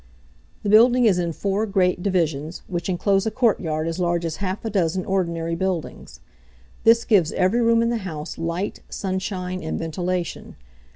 The building is in four great divisions, which inclose a courtyard as large as half a dozen ordinary buildings. This gives every room in the house light, sunshine, and ventilation.